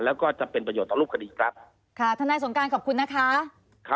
แล้วก็จะเป็นประโยชน์ต่อรูปคดีครับค่ะทนายสงการขอบคุณนะคะครับ